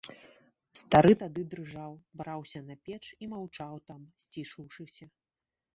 Стары тады дрыжаў, браўся на печ і маўчаў там, сцішыўшыся.